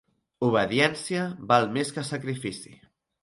Obediència val més que sacrifici.